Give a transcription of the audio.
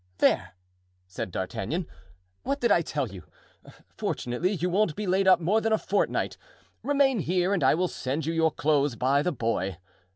"There!" said D'Artagnan, "what did I tell you? Fortunately, you won't be laid up more than a fortnight. Remain here and I will send you your clothes by the boy.